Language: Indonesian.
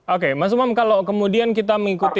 oke mas umam kalau kemudian kita mengikuti